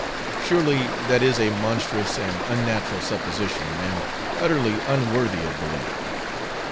Surely that is a monstrous and unnatural supposition, and utterly unworthy of belief.